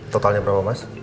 totalnya berapa mas